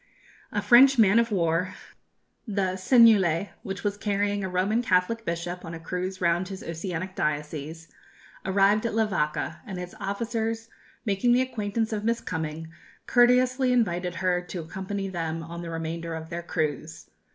A French man of war, the Seignelay, which was carrying a Roman Catholic bishop on a cruise round his oceanic diocese, arrived at Levaka, and its officers making the acquaintance of Miss Cumming, courteously invited her to accompany them on the remainder of their cruise.